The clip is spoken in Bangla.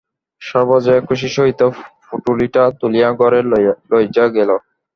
সর্বজয়া খুশির সহিত পুঁটুলিটা তুলিয়া ঘরে লইযা গেল।